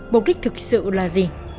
mục đích thực sự là gì